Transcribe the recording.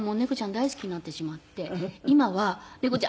大好きになってしまって今は猫ちゃん。